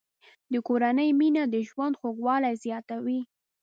د کورنۍ مینه د ژوند خوږوالی زیاتوي.